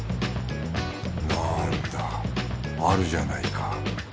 なんだあるじゃないか。